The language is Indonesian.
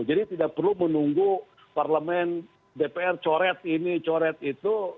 jadi tidak perlu menunggu parlemen dpr coret ini coret itu